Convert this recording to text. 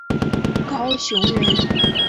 高雄人。